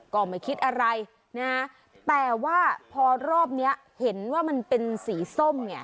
ก็ไม่คิดอะไรนะแต่ว่าพอรอบเนี้ยเห็นว่ามันเป็นสีส้มเนี่ย